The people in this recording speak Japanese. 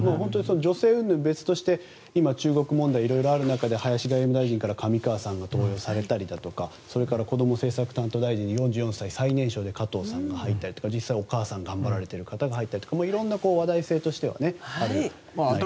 女性うんぬんは別として今、中国問題がいろいろある中で林外務大臣から上川さんが登用されたりとかそれから、こども政策担当大臣に４４歳の最年少で加藤さんが入ったりお母さんで頑張られている方が入ったりいろんな話題性はありますね。